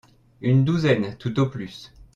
Une douzaine tout au plus.